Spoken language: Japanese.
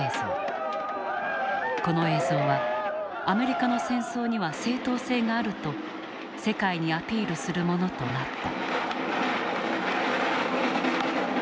この映像はアメリカの戦争には正当性があると世界にアピールするものとなった。